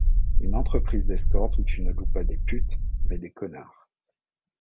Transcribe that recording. Une entreprise d’escorte où tu ne loues pas des putes, mais des connards.